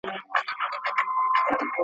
چي د توپان په زړه کي څو سېلۍ د زور پاته دي.